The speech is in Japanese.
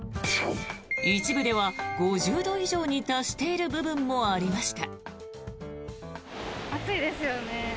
一部では５０度以上に達している部分もありました。